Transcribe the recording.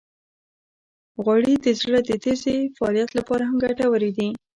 غوړې د زړه د تېزې فعالیت لپاره هم ګټورې دي.